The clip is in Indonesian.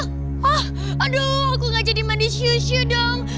hah aduh aku gak jadi mandi syu syu dong